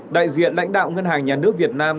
đại diện lãnh đạo ngân hàng nhà nước việt nam